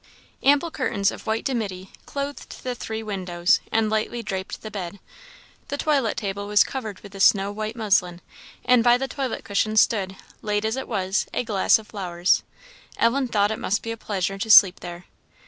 Ample curtains of white dimity clothed the three windows, and lightly draped the bed. The toilet table was covered with snow white muslin, and by the toilet cushion stood, late as it was, a glass of flowers. Ellen thought it must be a pleasure to sleep there.